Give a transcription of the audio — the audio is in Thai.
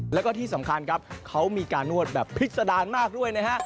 แล้วก็ที่สำคัญครับเขามีการนวดแบบพิษดารมากด้วยนะฮะ